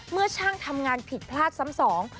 เมื่อช่างทำงานผิดพลาดซ้ำสอง